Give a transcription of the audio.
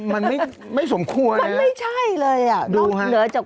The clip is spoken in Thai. มันไม่สมควรเลย